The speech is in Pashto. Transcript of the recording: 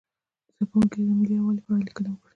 زده کوونکي دې د ملي یووالي په اړه لیکنه وکړي.